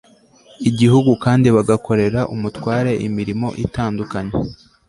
igihugu kandi bagakorera umutware imirimo itandukanye